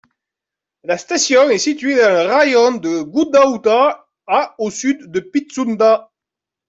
La station est située dans le raïon de Goudaouta, à au sud de Pitsounda.